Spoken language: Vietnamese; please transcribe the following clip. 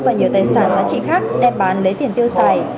và nhiều tài sản giá trị khác đem bán lấy tiền tiêu xài